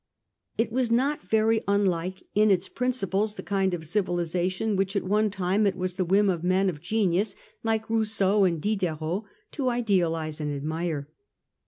It was not very unlike in its principles the kind of civi lisation which at one time it was the whim of men of genius, like Rousseau and Diderot, to idealize and admire.